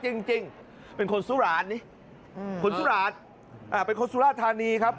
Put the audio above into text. ที่สุดยอดจริงเป็นคนสุราชนี่เป็นคนสุราชทานีครับ